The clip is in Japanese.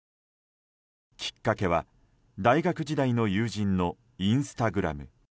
きっかけは、大学時代の友人のインスタグラム。